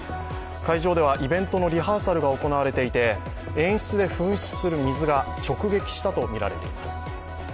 会場ではイベントのリハーサルが行われていて演出で噴出する水が直撃したとみられています。